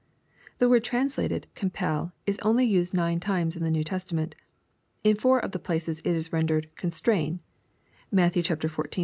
'* The word translated " compel," is only used nine times in the Kew Testament. In four of the places it is rendered " constrain." Matt. xiv.